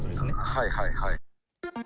はいはいはい。